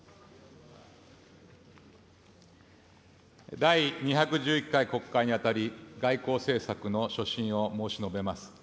第２１１回国会にあたり、外交政策の所信を申し述べます。